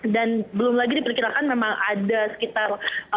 dan belum lagi diperkirakan memang ada sekitar